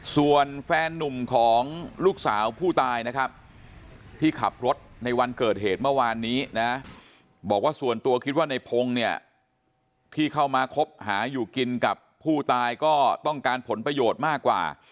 ส่วนแฟนนุ่มของลูกสาวผู้ตายนะครับที่ขับรถในวันเกิดเหตุเมื่อวานนี้นะบอกว่าส่วนตัวคิดว่าในพงศ์เนี่ยที่เข้ามาคบหาอยู่กินกับผู้ตายก็ต้องการผลประโยชน์มากกว่า